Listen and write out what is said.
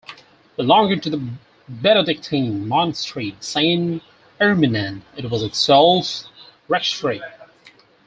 Belonging to the Benedictine monastery Saint Irminen it was itself "reichsfrei".